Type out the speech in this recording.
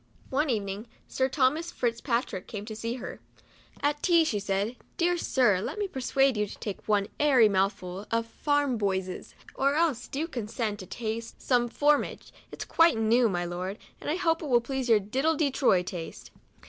One evening Sir Thomas Fitz Patrick came to see her. At tea, she said, " Dear Sir, let me persuade you to take one airy mouthful of \fram boysesj or else do condescend to taste some 4 fr omnia ge it is quite new, my Lord, and I hope it will please your c diddle de toryj taste."